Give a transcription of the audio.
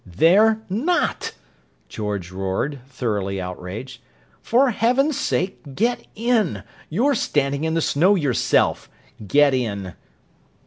"They're not!" George roared, thoroughly outraged. "For heaven's sake get in! You're standing in the snow yourself. Get in!"